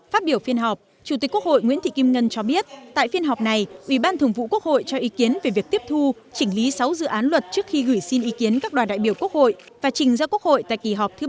phát biểu phiên họp chủ tịch quốc hội nguyễn thị kim ngân cho biết tại phiên họp này ủy ban thường vụ quốc hội cho ý kiến về việc tiếp thu chỉnh lý sáu dự án luật trước khi gửi xin ý kiến các đoàn đại biểu quốc hội và trình ra quốc hội tại kỳ họp thứ bảy